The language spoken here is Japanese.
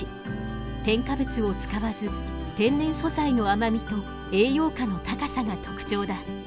添加物を使わず天然素材の甘みと栄養価の高さが特徴だ。